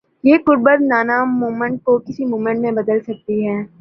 یہ قربت non movement کو کسی موومنٹ میں بدل سکتی ہے۔